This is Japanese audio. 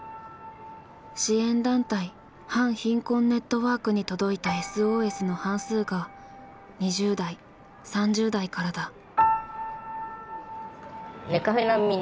支援団体反貧困ネットワークに届いたＳＯＳの半数が２０代３０代からだ。